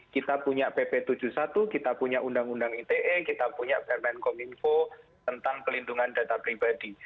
kita punya pp tujuh puluh satu kita punya undang undang ite kita punya permen kominfo tentang pelindungan data pribadi